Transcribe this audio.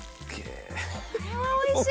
おいしい。